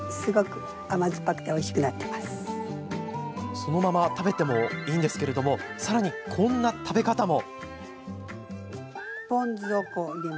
そのまま食べてもいいんですがさらにこんな食べ方も。